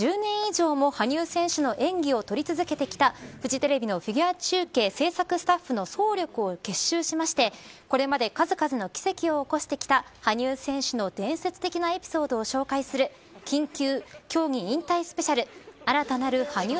ではこれまで１０年以上も羽生選手の演技を撮り続けてきたフジテレビのフィギュア中継制作スタッフの総力を結集してこれまで数々の奇跡を起こしてきた羽生選手の伝説的なエピソードを紹介する緊急！